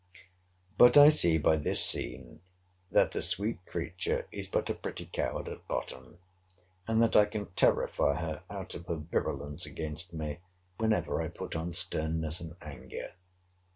But I see by this scene, that the sweet creature is but a pretty coward at bottom; and that I can terrify her out of her virulence against me, whenever I put on sternness and anger.